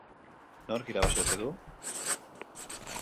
Nork irabazi ote du?